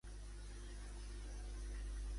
El narrador el considera bell?